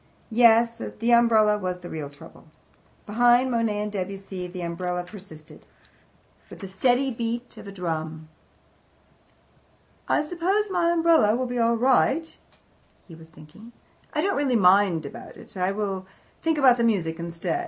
Yes, the umbrella was the real trouble. Behind Monet and Debussy the umbrella persisted, with the steady beat of a drum. "I suppose my umbrella will be all right," he was thinking. "I don't really mind about it. I will think about music instead.